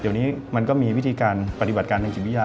เดี๋ยวนี้มันก็มีวิธีการปฏิบัติการทางจิตวิทยา